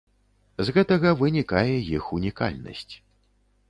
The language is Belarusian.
З гэтага вынікае іх унікальнасць.